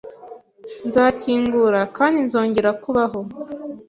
Nzakingura kandi nzongera kubaho!